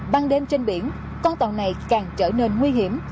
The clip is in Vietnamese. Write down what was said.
ban đêm trên biển con tàu này càng trở nên nguy hiểm